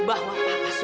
apa benar begitu